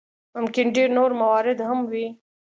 ممکن ډېر نور موارد هم وي.